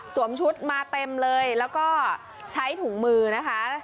ชุดมาเต็มเลยแล้วก็ใช้ถุงมือนะคะ